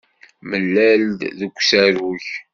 Nemlal-d deg usarug.